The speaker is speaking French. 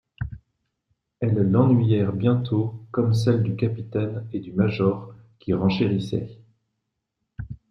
Elles l'ennuyèrent bientôt comme celles du capitaine et du major qui renchérissaient.